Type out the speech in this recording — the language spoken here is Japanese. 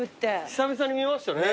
久々に見ましたね。